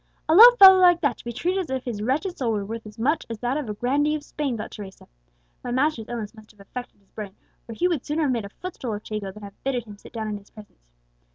"A low fellow like that to be treated as if his wretched soul were worth as much as that of a grandee of Spain!" thought Teresa. "My master's illness must have affected his brain, or he would sooner have made a footstool of Chico than have bidden him sit down in his presence!"